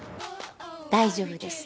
大丈夫です。